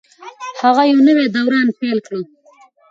هغه یو نوی دوران پیل کړ.